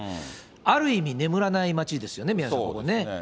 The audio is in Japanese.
ある意味、眠らない街ですよね、宮根さん、ここね。